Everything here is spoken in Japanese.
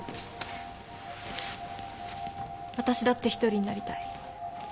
私だって１人になりたい。